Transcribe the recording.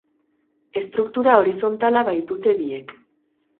Estruktura horizontala baitute biek.